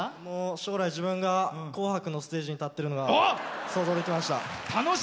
将来、自分が「紅白」のステージに立ってるのが想像できました。